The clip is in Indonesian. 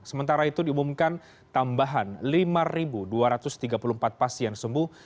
sementara itu diumumkan tambahan lima dua ratus tiga puluh empat pasien sembuh